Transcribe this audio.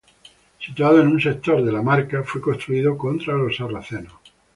Situado en un sector de "la Marca", fue construido contra los sarracenos.